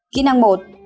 kỹ năng một